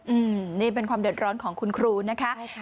อืมนี่เป็นความเดือดร้อนของคุณครูนะคะใช่ค่ะ